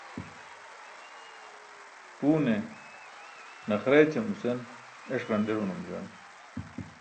Puune naxara ećam nusen eṣ ġanḍer manum juwan.